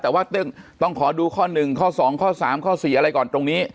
แต่ว่าต้องขอดูข้อ๑ข้อ๒ข้อ๓ข้อ๔อะไรก่อนตรงนี้